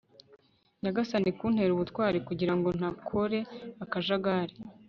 nyagasani kuntera ubutwari kugirango ntakore akajagari